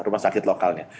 rumah sakit lokalnya